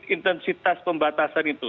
intensitas pembatasan itu